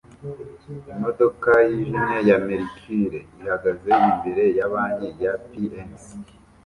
Imodoka yijimye ya Mercury ihagaze imbere ya Banki ya PNC